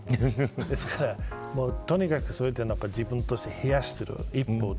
ですから、とにかく自分としては冷やしています。